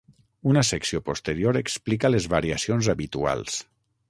Una secció posterior explica les variacions habituals.